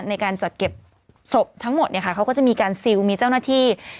ในการจัดเก็บศพทั้งหมดเนี่ยค่ะเขาก็จะมีการซิลมีเจ้าหน้าที่